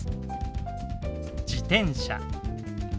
「自転車」。